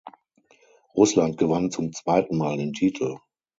Russland gewann zum zweiten Mal den Titel.